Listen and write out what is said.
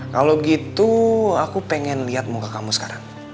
kalau gitu aku pengen lihat muka kamu sekarang